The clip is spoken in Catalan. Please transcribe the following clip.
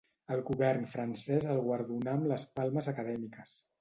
El govern francès el guardonà amb les Palmes Acadèmiques.